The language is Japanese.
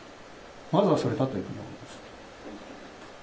まずはそれだということだと思います。